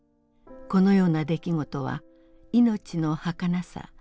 このような出来事はいのちのはかなさ